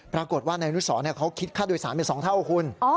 ปรากฏว่านายอนุสรเขาคิดค่าโดยสารเป็น๒เท่าคุณ